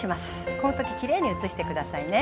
この時きれいに写して下さいね。